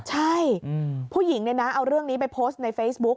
ใช่ผู้หญิงเนี่ยนะเอาเรื่องนี้ไปโพสต์ในเฟซบุ๊ก